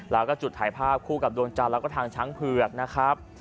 แล้วก็จุดถ่ายภาพคู่กับดวงจันทร์แล้วก็ทางช้างเผือกนะครับ